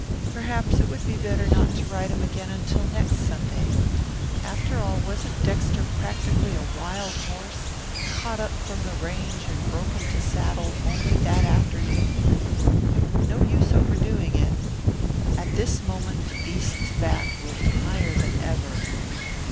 Perhaps it would be better not to ride him again until next Sunday. After all, wasn't Dexter practically a wild horse, caught up from the range and broken to saddle only that afternoon? No use overdoing it. At this moment the beast's back looked higher than ever.